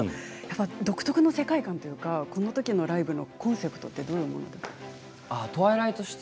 独特の世界観というかこのときのライブのコンセプトはどんなものだったんですか。